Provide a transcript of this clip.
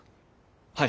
はい。